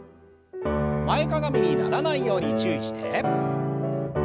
前かがみにならないように注意して。